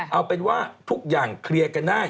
เอาเป็นว่าทุกอย่างเคลียร์กันได้